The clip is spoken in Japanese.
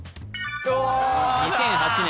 ２００８年